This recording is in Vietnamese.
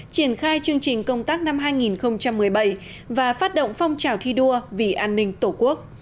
triển khai chương trình công tác năm hai nghìn một mươi bảy và phát động phong trào thi đua vì an ninh tổ quốc